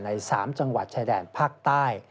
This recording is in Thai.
ใน๓จังหวัดชายแดนภาคใต้